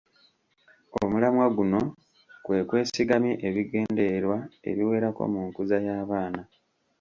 Omulamwa guno kwe kwesigamye ebigendererwa ebiwerako mu nkuza y’abaana.